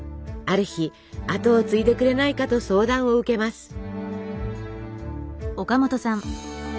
ある日後を継いでくれないかと相談を受けます。